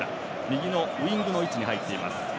右のウィングの位置に入っています。